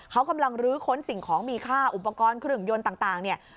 เขากำลังลื้อค้นสิ่งของมีค่าอุปกรณ์เครื่องยนต์ต่างเนี่ย